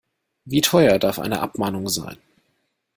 Wie teuer darf eine Abmahnung sein?